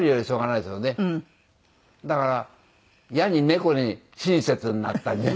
だからいやに猫に親切になったりね。